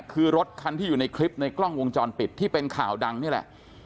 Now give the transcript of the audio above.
คือรถคันที่อยู่ในคลิปในกล้องวงจรปิดที่เป็นข่าวดังนี่แหละ